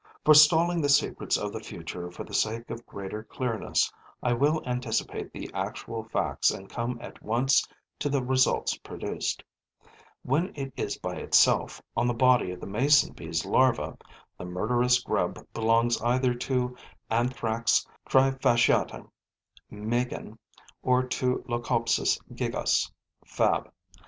Forestalling the secrets of the future for the sake of greater clearness, I will anticipate the actual facts and come at once to the results produced. When it is by itself on the body of the mason bee's larva, the murderous grub belongs either to Anthrax trifasciata, MEIGEN, or to Leucospis gigas, FAB.